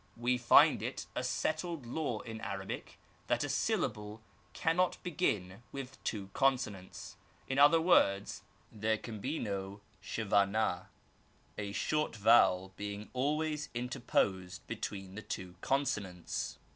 We find it a settled law in Arabic that a syllable cannot I begin with two consonants: in other words, there can be no J V^ Witt), a short vowel being always interposed between the two consonants.